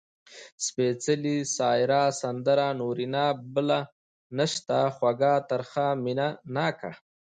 سپېڅلې ، سايره ، سندره، نورينه . بله نسته، خوږَه، ترخه . مينه ناکه